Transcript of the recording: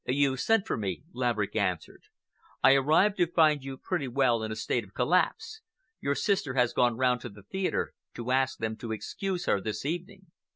"You sent for me," Laverick answered. "I arrived to find you pretty well in a state of collapse. Your sister has gone round to the theatre to ask them to excuse her this evening."